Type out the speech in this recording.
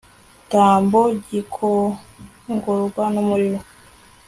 tambo gikongorwa n umuriro